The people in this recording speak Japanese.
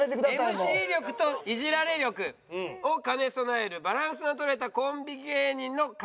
ＭＣ力とイジられ力を兼ね備えるバランスのとれたコンビ芸人の鑑。